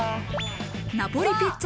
ナポリピッツァ